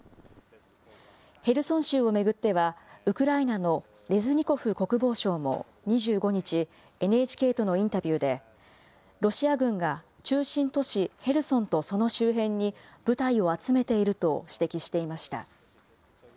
ヘルソン州を巡っては、ウクライナのレズニコフ国防相も２５日、ＮＨＫとのインタビューで、ロシア軍が中心都市ヘルソンとその周辺に、部隊を集めていると指摘していました。